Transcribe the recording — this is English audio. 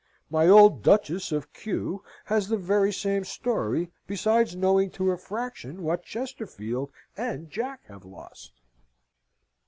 My old Duchess of Q. has the very same story, besides knowing to a fraction what Chesterfield and Jack have lost.